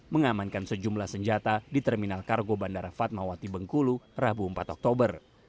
mengamankan sejumlah senjata di terminal kargo bandara fatmawati bengkulu rabu empat oktober